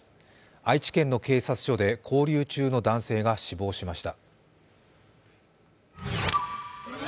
愛知県の警察署で勾留中の男性が死亡しました。